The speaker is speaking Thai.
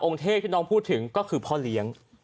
เทพที่น้องพูดถึงก็คือพ่อเลี้ยง